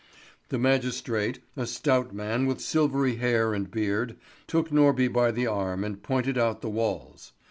The magistrate, a stout man with silvery hair and beard, took Norby by the arm and pointed out the walls.